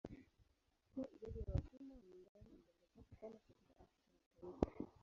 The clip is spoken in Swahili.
Pia idadi ya watumwa wa nyumbani iliongezeka sana katika Afrika Magharibi.